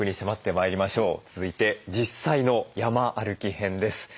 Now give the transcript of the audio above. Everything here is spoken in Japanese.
続いて実際の山歩き編です。